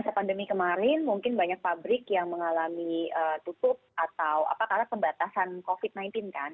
masa pandemi kemarin mungkin banyak pabrik yang mengalami tutup atau apa karena pembatasan covid sembilan belas kan